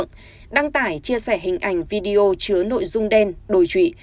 t và d đã đăng tải chia sẻ hình ảnh video chứa nội dung đen đồi trụy